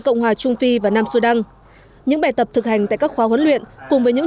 cộng hòa trung phi và nam sudan những bài tập thực hành tại các khóa huấn luyện cùng với những